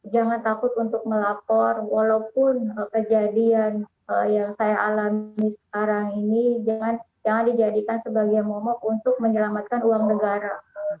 jangan takut untuk melapor walaupun kejadian yang saya alami sekarang ini jangan dijadikan sebagai momok untuk menyelamatkan uang negara